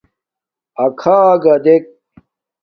اَکھݳگݳ دݵک.